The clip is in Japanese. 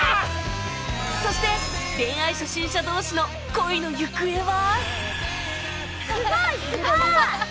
そして恋愛初心者同士の恋の行方は！？